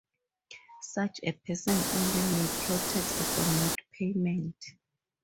Such a person only may protest for not payment.